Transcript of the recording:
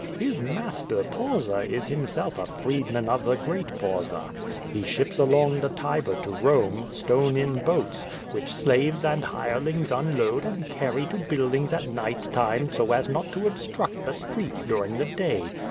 His master Pausa is himself a freedman of the great Pausa. He ships along the Tiber to Home, stone in boats, which slaves and hirelings unload and carry to buildings at night time so as not to obstruct the streets during the day.